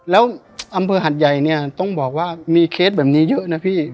แล้วอำเภอหัดใหญ่เนี่ยต้องบอกว่ามีเคสแบบนี้เยอะนะพี่